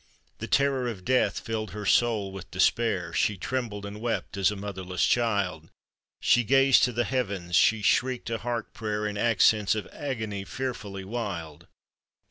The terror of death filled her soul with des pair, She trembled and wept as a motherless child; She gazed to the heavens, she shrieked a heart prayer In accents of agony fearfully wild.